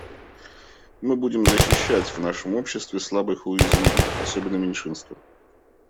Мы будем защищать в нашем обществе слабых и уязвимых, особенно меньшинства.